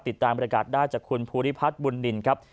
ติดตามบริการได้จากคุณภูริพัฒน์บุญนินครับ